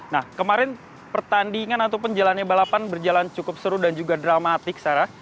nah kemarin pertandingan ataupun jalannya balapan berjalan cukup seru dan juga dramatik sarah